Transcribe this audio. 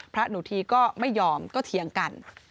พระหนูทีก็ไม่ยอมก็เถียงกัน